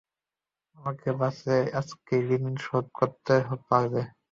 আমাকে বাঁচালে, আজই তাদের ঋণ শোধ করতে পারবে।